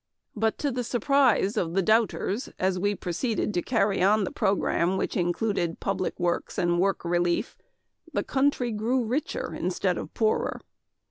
But to the surprise of the doubters, as we proceeded to carry on the program which included Public Works and Work Relief, the country grew richer instead of poorer.